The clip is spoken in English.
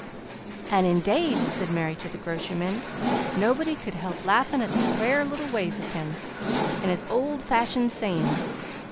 "And, indade," said Mary to the groceryman, "nobody cud help laughin' at the quare little ways of him and his ould fashioned sayin's!